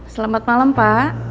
selamat malam pak